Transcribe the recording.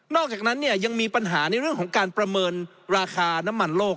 อกจากนั้นเนี่ยยังมีปัญหาในเรื่องของการประเมินราคาน้ำมันโลก